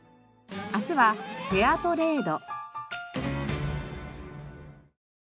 明日はフェアトレード。